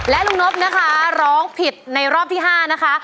ลุงนบนะคะร้องผิดในรอบที่๕นะคะ